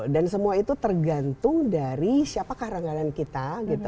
dan semua itu tergantung dari siapa karangan kita